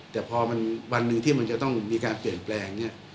แต่พอวันนึงจะมีการเปลี่ยนแปลง